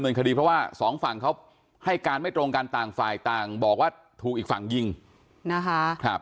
คดีเพราะว่าสองฝั่งเขาให้การไม่ตรงกันต่างฝ่ายต่างบอกว่าถูกอีกฝั่งยิงนะคะครับ